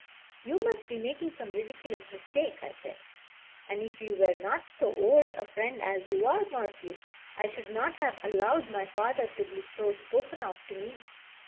"You must be making some ridiculous mistake," I said. "And if you were not so old a friend as you are, Morphew, I should not have allowed my father to be so spoken of to me."